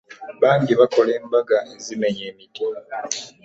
Bangi bakola embaga ezimenya emiti.